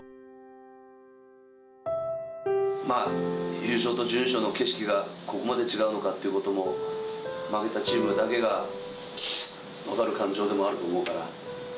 優勝と準優勝の景色がここまで違うのかということも、負けたチームだけが分かる感情でもあると思うから。